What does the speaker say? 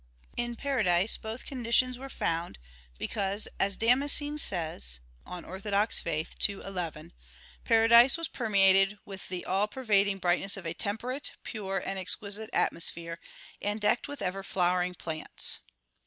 In paradise both conditions were found; because, as Damascene says (De Fide Orth. ii, 11): "Paradise was permeated with the all pervading brightness of a temperate, pure, and exquisite atmosphere, and decked with ever flowering plants."